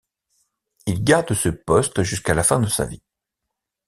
Il garde ce poste jusqu'à la fin de sa vie.